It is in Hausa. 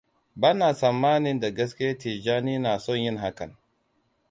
Ba na tsammanin da gaske Tijjani na son yin hakan.